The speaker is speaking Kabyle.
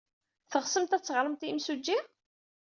Teɣsemt ad teɣremt i yimsujji?